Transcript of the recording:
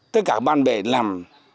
tất cả các bạn bè làm